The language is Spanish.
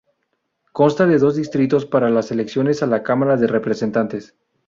Consta de dos distritos para las elecciones a la Cámara de Representantes.